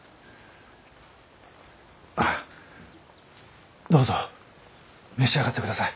あっどうぞ召し上がってください。